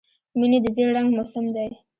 مني د زېړ رنګ موسم دی